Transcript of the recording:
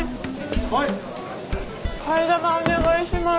はい替え玉お願いします